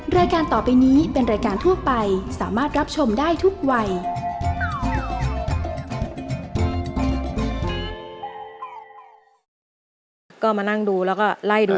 รายการต่อไปนี้เป็นรายการทั่วไปสามารถรับชมได้ทุกวัย